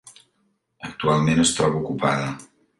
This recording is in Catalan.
Actualment es troba ocupada.